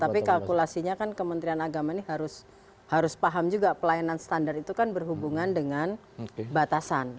tapi kalkulasinya kan kementerian agama ini harus paham juga pelayanan standar itu kan berhubungan dengan batasan